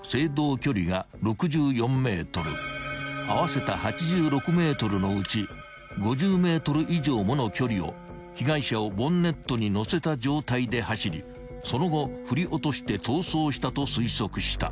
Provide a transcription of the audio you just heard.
［合わせた８６ｍのうち５０ｍ以上もの距離を被害者をボンネットにのせた状態で走りその後振り落として逃走したと推測した］